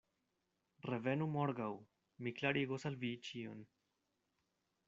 Revenu morgaŭ: mi klarigos al vi ĉion.